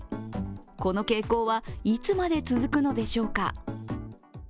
この傾向は、いつまで続くのでしょうか。